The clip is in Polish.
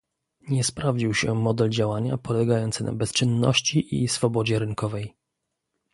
Nie sprawdził się model działania, polegający na bezczynności i swobodzie rynkowej